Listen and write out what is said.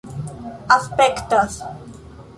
aspektas